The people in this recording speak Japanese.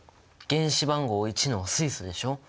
原子番号１の水素でしょ。